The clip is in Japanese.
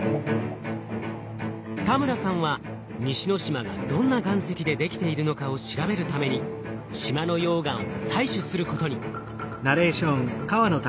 田村さんは西之島がどんな岩石でできているのかを調べるために島の溶岩を採取することに。